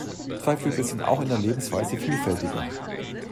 Zweiflügler sind auch in der Lebensweise vielfältiger.